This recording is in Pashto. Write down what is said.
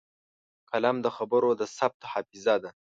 قلم د خبرو د ثبت حافظه ده